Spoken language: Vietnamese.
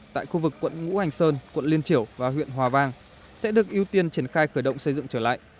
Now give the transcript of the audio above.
tại khu vực quận ngũ hành sơn quận liên triểu và huyện hòa vang sẽ được ưu tiên triển khai khởi động xây dựng trở lại